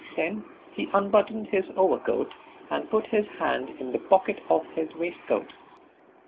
Then he unbuttoned his overcoat and put his hand in the pocket of his waistcoat.